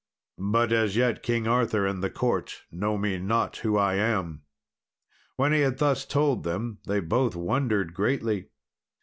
But, as yet King Arthur and the court know me not, who I am." When he had thus told them, they both wondered greatly.